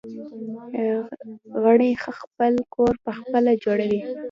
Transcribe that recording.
غڼې خپل کور پخپله جوړوي